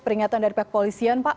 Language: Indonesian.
peringatan dari pihak polisian pak